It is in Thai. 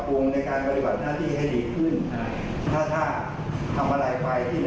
หรืออะไรก็ต้องทำกำลังกลับโทษ